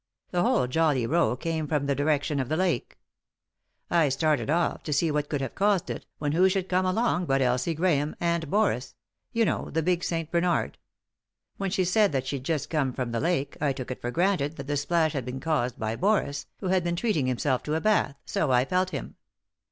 The whole jolly row came from the direction of the lake. I started ofT to see what could have caused it, when who should come along but Elsie Grahame and Boris — you know, the big St. Bernard. When she said that she'd just come from the lake I took it for granted that the splash had been caused by Boris, who had been treating himself to a bath, so I felt him.